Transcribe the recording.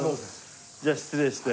じゃあ失礼して。